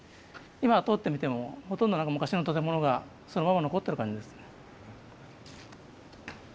今通ってみてもほとんど昔の建物がそのまま残ってる感じですね。